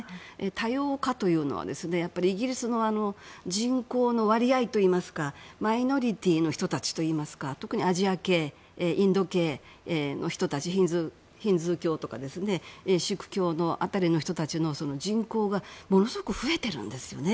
多様化というのはイギリスの人口の割合といいますかマイノリティーの人たちといいますか特にアジア系、インド系の人たちヒンドゥー教とかシーク教の人たちの人口が、ものすごく増えているんですよね。